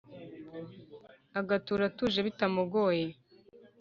agatura atuje bitamugoye